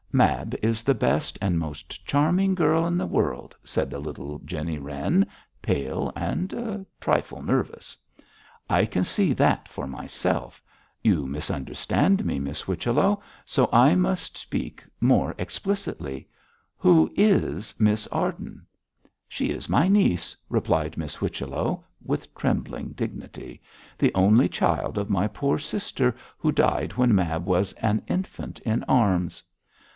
'Mab is the best and most charming girl in the world,' said the little Jennie Wren, pale, and a trifle nervous. 'I can see that for myself. You misunderstand me, Miss Whichello, so I must speak more explicitly. Who is Miss Arden?' 'She is my niece,' replied Miss Whichello, with trembling dignity. 'The only child of my poor sister, who died when Mab was an infant in arms.'